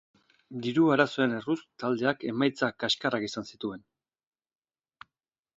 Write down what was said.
Diru arazoen erruz taldeak emaitza kaxkarrak izan zituen.